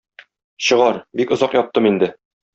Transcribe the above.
Чыгар, бик озак яттым инде.